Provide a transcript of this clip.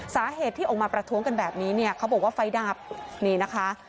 สาเหตุที่ออกมาประท้วงกันแบบนี้เนี่ยเขาบอกว่าไฟดับนี่นะคะ